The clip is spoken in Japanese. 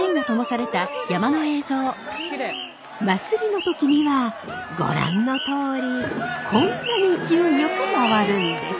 祭りの時にはご覧のとおりこんなに勢いよく回るんです。